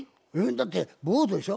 だってボートでしょ？